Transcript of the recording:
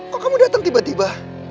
kok kamu datang tiba tiba